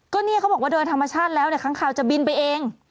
ก็เนี่ยเขาบอกว่าเดินธรรมชาติแล้วเนี่ยค้างคาวจะบินไปเอง